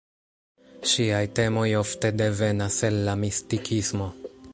Ŝiaj temoj ofte devenas el la mistikismo.